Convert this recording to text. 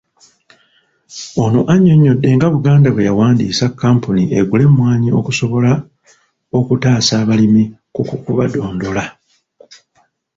Ono yannyonnyodde nga Buganda bwe yawandiisa kkampuni egula emmwanyi okusobola okutaasa abalimi ku ku kubadondola.